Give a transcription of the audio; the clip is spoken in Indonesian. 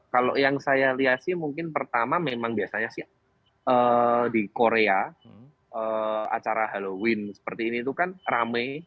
kalau yang saya lihat sih mungkin pertama memang biasanya sih di korea acara halloween seperti ini itu kan rame